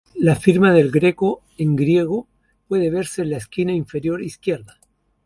La firma del Greco, en griego, puede verse en la esquina inferior izquierda.